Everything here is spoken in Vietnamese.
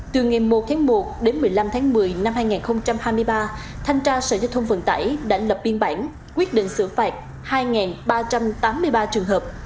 từ ngày một tháng một đến một mươi năm tháng một mươi năm hai nghìn hai mươi ba thanh tra sở giao thông vận tải đã lập biên bản quyết định xử phạt hai ba trăm tám mươi ba trường hợp